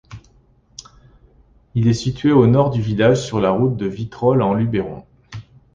Il est situé au nord du village, sur la route de Vitrolles-en-Luberon.